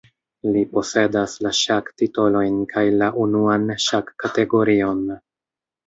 Li posedas la ŝak-titolojn kaj la unuan ŝak-kategorion.